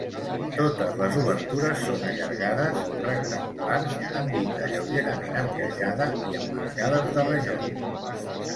Totes les obertures són allargades, rectangulars, amb llinda lleugerament arquejada i emmarcades de rajol.